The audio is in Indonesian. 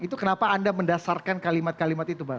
itu kenapa anda mendasarkan kalimat kalimat itu bang